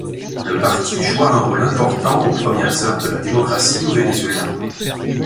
Le parti joua un rôle important aux premières heures de la démocratie au Venezuela.